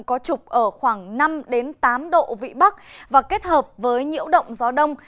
có trục ở khoảng năm tám độ vị bắc và kết hợp với nhiễu động gió đông